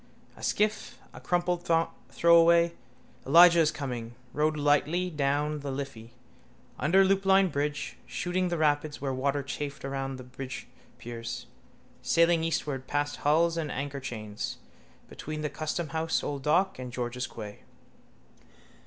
A skiff, a crumpled throwaway, Elijah is coming, rode lightly down the Liffey, under Loopline bridge, shooting the rapids where water chafed around the bridgepiers, sailing eastward past hulls and anchorchains, between the Customhouse old dock and George's quay.